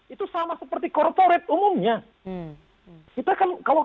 itu sama seperti korporat umumnya